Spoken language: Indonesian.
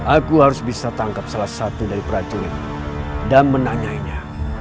aku harus bisa tangkap salah satu dari prajurit dan menanyainya